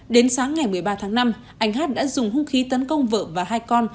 đến sáng ngày một mươi ba tháng năm anh hát đã dùng hung khí tấn công vợ và hai con